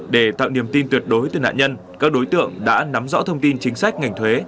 để tạo niềm tin tuyệt đối từ nạn nhân các đối tượng đã nắm rõ thông tin chính sách ngành thuế